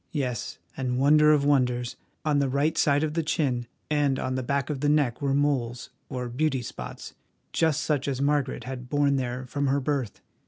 Yes, and wonder of wonders, on the right side of the chin and on the back of the neck were moles, or beauty spots, just such as Margaret had borne there from her birth!